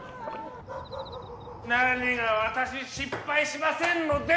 何が私失敗しませんのでだ！